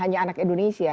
hanya anak indonesia